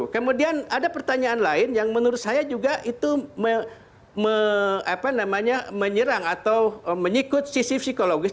kemudian ada pertanyaan lain yang menurut saya juga itu menyerang atau menyikut sisi psikologis